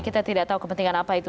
kita tidak tahu kepentingan apa itu